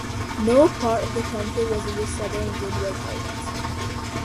No part of the country was in the southern Windward Islands.